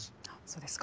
そうですか。